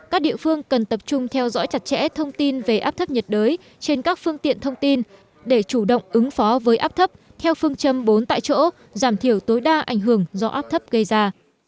các địa phương cần tập trung theo dõi chặt chẽ thông tin về áp thấp nhiệt đới trên các phương tiện thông tin để chủ động ứng phó với áp thấp theo phương châm bốn tại chỗ giảm thiểu tối đa ảnh hưởng do áp thấp gây ra